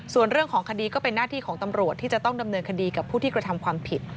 ส่วนเรื่องของคดีก็เป็นหน้าที่ของตำรวจที่จะต้องดำเนินคดีกับผู้ที่กระทำความผิด